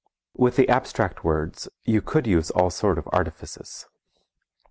With the abstract words you could use all sorts of artifices.